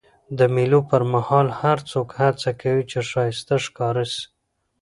د مېلو پر مهال هر څوک هڅه کوي، چي ښایسته ښکاره سي.